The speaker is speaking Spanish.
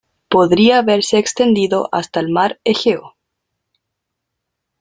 Podría haberse extendido hasta el mar Egeo.